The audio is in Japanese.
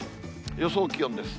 予想気温です。